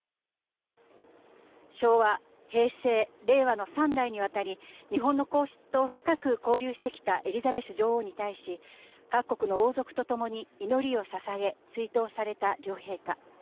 昭和、平成、令和の３代にわたり、日本の皇室と深く交流してきたエリザベス女王に対し、各国の王族とともに祈りをささげ、追悼された両陛下。